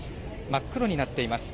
真っ黒になっています。